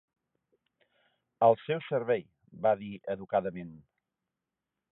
"Al seu servei", va dir educadament.